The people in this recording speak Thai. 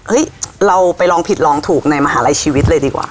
เราไปลองผิดลองถูกในมหาลัยชีวิตเลยดีกว่า